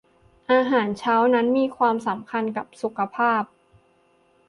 อาหารเช้านั้นมีความสำคัญกับสุขภาพ